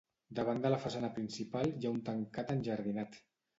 Davant de la façana principal hi ha un tancat enjardinat.